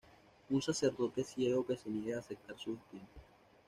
Un sacerdote ciego que se niega a aceptar su destino.